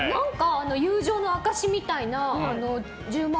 友情の証しみたいな。